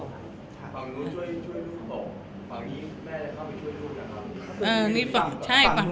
ฝั่งนู้นช่วยลูกบอกฝั่งนี้แม่เข้าไปช่วยลูกกันครับ